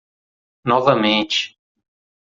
Novamente.